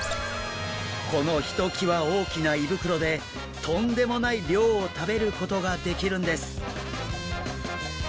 このひときわ大きな胃袋でとんでもない量を食べることができるんです。